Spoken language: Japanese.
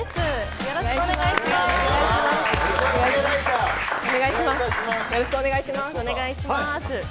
よろしくお願いします。